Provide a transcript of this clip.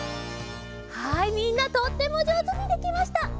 はいみんなとってもじょうずにできました！